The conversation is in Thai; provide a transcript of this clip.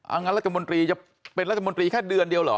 อังงั้นรัฐจันทร์มนตรีจะเป็นรัฐจันทร์มนตรีแค่เดือนเดียวเหรอ